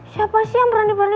siapa sih yang berani berani